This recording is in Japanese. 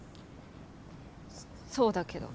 そそうだけど。